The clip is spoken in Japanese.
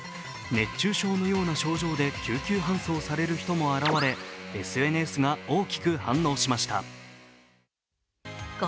熱中症のような症状で救急搬送される人も現れＳＮＳが大きく反応しました。